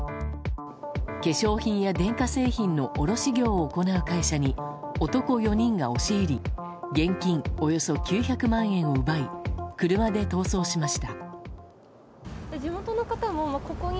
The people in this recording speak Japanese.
化粧品や電化製品の卸業を行う会社に男４人が押し入り現金およそ９００万円を奪い車で逃走しました。